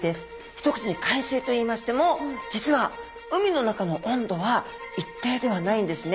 一口に海水といいましても実は海の中の温度は一定ではないんですね。